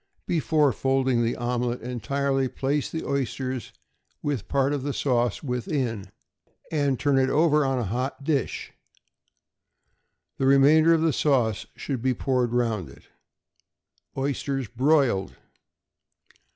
Before folding the omelet entirely, place the oysters with part of the sauce within, and turn it over on a hot dish. The remainder of the sauce should be poured round it. =Oysters Broiled.